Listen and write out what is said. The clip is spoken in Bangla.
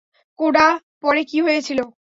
কোডা, পরে কী হয়েছিল?